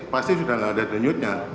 pasti sudah tidak ada denyutnya